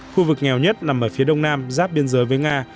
khu vực nghèo nhất nằm ở phía đông nam giáp biên giới với nga